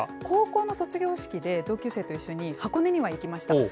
高校の卒業式で、同級生と一緒に箱根には行きました。